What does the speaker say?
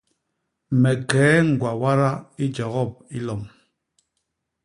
Me kee ñgwa wada i jogop i lom.